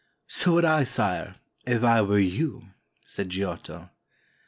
" So would I, Sire, if I were you" said Giotto.